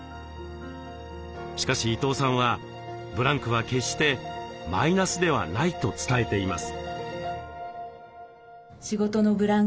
しかし伊東さんはブランクは決してマイナスではないと伝えています。